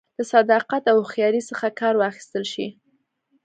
له صداقت او هوښیارۍ څخه کار واخیستل شي